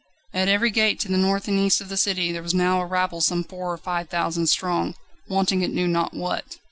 At every gate to the north and east of the city there was now a rabble some four or five thousand strong, wanting it knew not what.